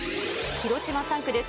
広島３区です。